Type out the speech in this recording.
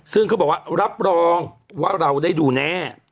ซึ่งเขาบอกว่ารับรองว่าเราได้ดูแน่